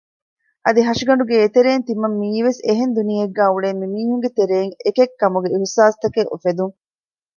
އަދި ހަށިގަނޑުގެ އެތެރެއިން ތިމަން މިއީވެސް އެހެން ދުނިޔެއެއްގައި އުޅޭ މި މީހުންގެތެރެއިން އެކެއްކަމުގެ އިޙްސާސްތަކެއް އުފެދުން